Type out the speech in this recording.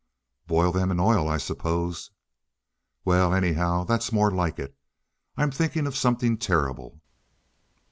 "Boil them in oil, I suppose." "Well, anyhow, that's more like. I'm thinking of something terrible."